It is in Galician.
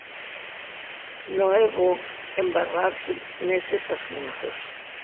Non é bo embarrarse neses asuntos.